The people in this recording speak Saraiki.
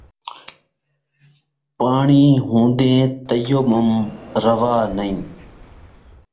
پاݨی ہون٘دیں تیمم روا نئیں